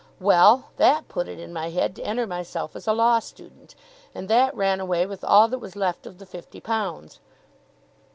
Well! That put it in my head to enter myself as a law student; and that ran away with all that was left of the fifty pounds.